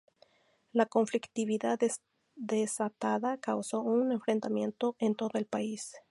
La conflictividad desatada causó un enfrentamiento en todo el país.